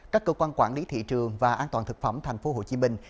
các cơ quan quản lý thị trường và an toàn thực phẩm thành phố hồ chí minh